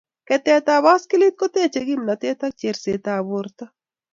Keteetab baskilit koteechei kimnateet ak chersetab borto